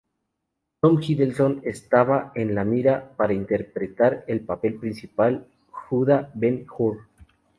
Tom Hiddleston estaba en la mira para interpretar el papel principal, Judá Ben-Hur.